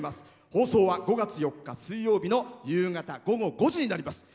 放送は５月４日水曜日の夕方午後５時になります。